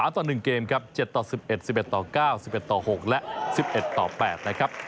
ต่อ๑เกมครับ๗ต่อ๑๑๑๑ต่อ๙๑๑ต่อ๖และ๑๑ต่อ๘นะครับ